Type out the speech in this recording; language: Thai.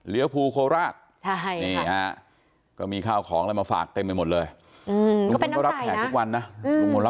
ลุงพลแกเป็นแฟนเด็กผี